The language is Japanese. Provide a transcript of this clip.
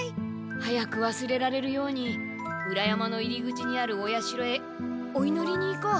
早くわすれられるように裏山の入り口にあるお社へおいのりに行こう。